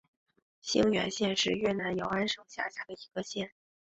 兴元县是越南乂安省下辖的一个县。